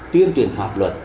tuyên truyền pháp luật